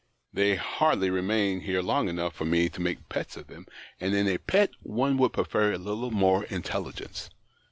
They hardly remain here long enough for me to make pets of them, and in a pet one would prefer a little more intelligence.